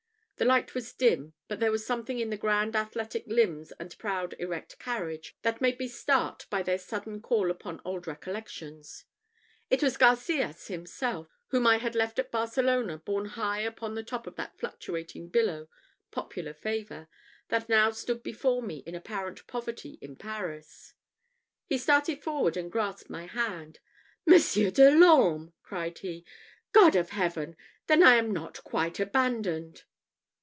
The light was dim; but there was something in the grand athletic limbs and proud erect carriage, that made me start by their sudden call upon old recollections. It was Garcias himself, whom I had left at Barcelona borne high upon the top of that fluctuating billow, popular favour, that now stood before me in apparent poverty in Paris. He started forward and grasped my hand. "Monsieur de l'Orme!" cried he: "God of heaven! then I am not quite abandoned."